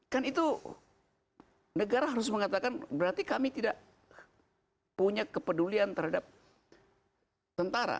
kan itu negara harus mengatakan berarti kami tidak punya kepedulian terhadap tentara